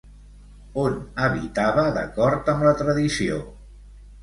On habitava, d'acord amb la tradició?